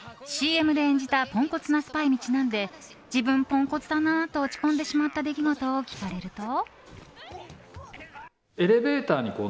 ＣＭで演じたポンコツなスパイにちなんで自分ポンコツだなと落ち込んでしまった出来事を聞かれると。